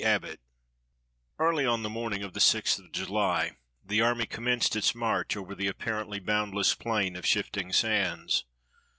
ABBOTT Early on the morning of the 6 th of July, the army com menced its march over the apparently boundless plain of shifting sands.